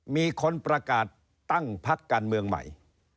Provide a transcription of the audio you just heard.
มีคนประกาศตั้งพักการเมืองใหม่